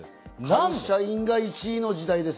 会社員が１位の時代です。